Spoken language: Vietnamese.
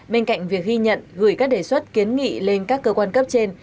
bên cạnh việc ghi nhận gửi các đề xuất kiến nghị lên các cơ quan cấp trên